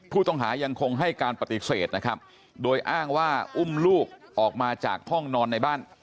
ผู้ต้องหายังคงให้การปฏิเสธนะครับโดยอ้างว่าอุ้มลูกออกมาจากห้องนอนในบ้าน